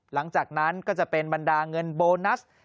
หลังจากนั้นก็จะเป็นบรรดาเงินโบนัส